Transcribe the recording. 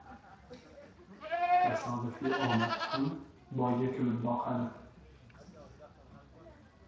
Tasodifiy omad ham boyga kulib boqadi.